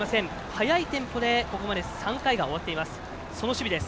速いテンポで、ここまで３回が終わっています。